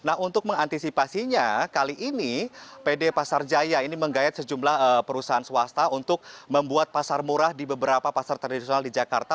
nah untuk mengantisipasinya kali ini pd pasar jaya ini menggayat sejumlah perusahaan swasta untuk membuat pasar murah di beberapa pasar tradisional di jakarta